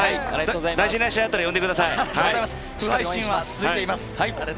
大事な試合があったら呼んでください。